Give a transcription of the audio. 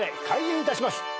開演いたします。